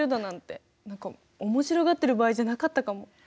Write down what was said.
何か面白がってる場合じゃなかったかも。